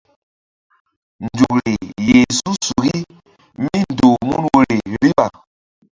Nzukri yih su̧suki míndoh mun woyri riɓa.